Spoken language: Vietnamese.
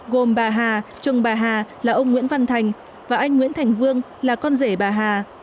gồm bà hà chồng bà hà là ông nguyễn văn thành và anh nguyễn thành vương là con rể bà hà